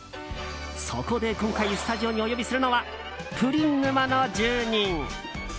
そこで今回スタジオにお呼びするのはプリン沼の住人。